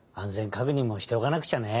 かくにんもしておかなくちゃね。